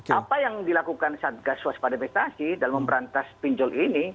apa yang dilakukan satgas waspada investasi dalam memberantas pinjol ini